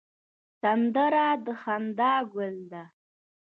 سندره د خندا ګل ده